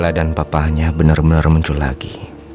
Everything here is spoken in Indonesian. bela dan papahnya benar benar muncul lagi